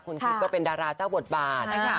คุณฮิตก็เป็นดาราเจ้าบทบาทมากขอบคุณค่ะ